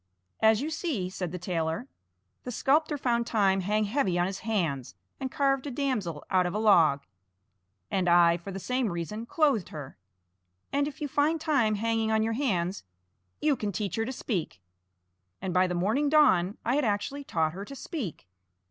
'As you see,' said the tailor, 'the sculptor found time hang heavy on his hands and carved a damsel out of a log, and I for the same reason clothed her; and if you find time hanging on your hands, you can teach her to speak.' And by morning dawn I had actually taught her to speak.